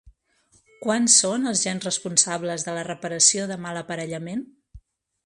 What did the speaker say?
Quants són els gens responsables de la reparació de malaparellament?